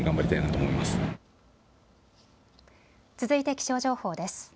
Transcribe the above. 続いて気象情報です。